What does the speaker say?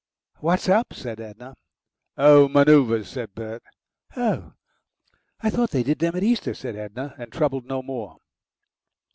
"What's up?" said Edna. "Oh! manoeuvres," said Bert. "Oh! I thought they did them at Easter," said Edna, and troubled no more.